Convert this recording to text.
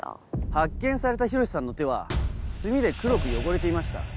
発見された洋さんの手は墨で黒く汚れていました。